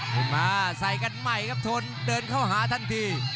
มาใส่กันใหม่ครับทนเดินเข้าหาทันที